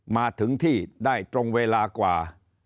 มาถึงที่ได้ตรงเวลากว่า